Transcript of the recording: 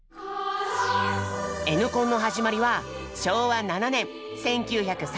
「Ｎコン」の始まりは昭和７年１９３２年。